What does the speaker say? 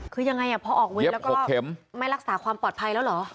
คือยังไงพอออกเว้นแล้วก็ไม่รักษาความปลอดภัยแล้วเหรอ